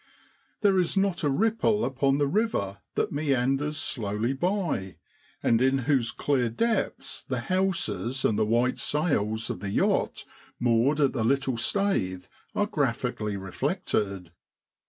There is not a ripple upon the river that meanders slowly by, and in whose clear depths the houses and the white sails of the yacht moored at the little staith are graphically .reflected.